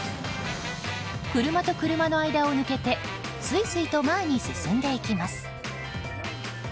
車と車の間を抜けてすいすいと前に進んでいきます。